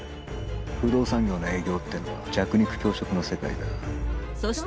不動産業の営業ってのは弱肉強食の世界だ。